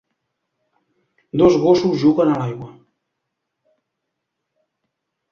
Dos gossos juguen a l'aigua.